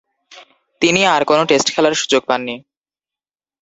তিনি আর কোন টেস্ট খেলার সুযোগ পাননি।